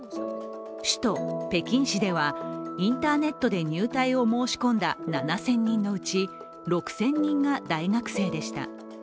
首都・北京市ではインターネットで入隊を申し込んだ７０００人のうち６０００人が大学生でした。